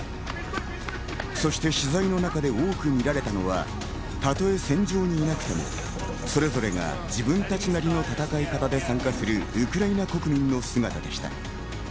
そして取材の中で多く見られたのは、たとえ戦場にいなくてもそれぞれが自分たちなりの戦い方で参加するウクライナ国民の姿でした。